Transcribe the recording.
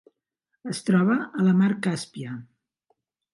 Es troba a la Mar Càspia.